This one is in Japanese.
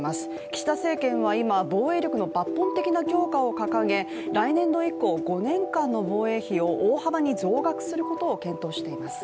岸田政権は今、防衛力の抜本的な強化を掲げ来年度以降、５年間の防衛費を大幅に増額することを検討しています。